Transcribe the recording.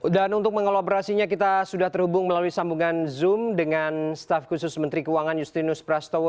dan untuk mengeloperasinya kita sudah terhubung melalui sambungan zoom dengan staff khusus menteri keuangan justrinus prastowo